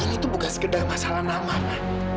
ini tuh bukan sekedar masalah nama mak